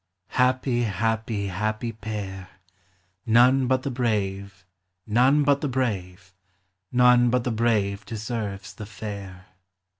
Happy, happy, happy pair J Xoiic but the brave, None but the brave, None but the brave deserves the fair.